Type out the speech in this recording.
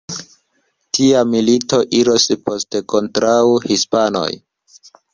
Tia milito iros poste kontraŭ hispanoj.